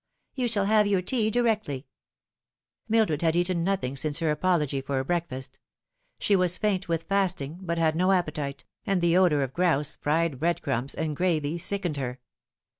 " You shall have your tea directly." Mildred had eaten nothing since her apology for a breakfast. She was faint with fasting, but had no appetite, and the odour of grouse, fried bread crumbs, and gravy sickened her.